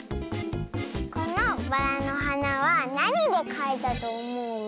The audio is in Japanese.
このバラのはなはなにでかいたとおもう？